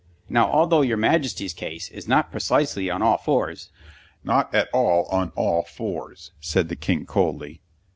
Now although your Majesty's case is not precisely on all fours " "Not at all on all fours," said the King coldly.